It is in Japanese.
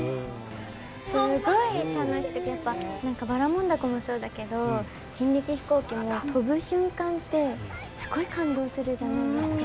すごい楽しくてやっぱ何かばらもん凧もそうだけど人力飛行機も飛ぶ瞬間ってすごい感動するじゃないですか。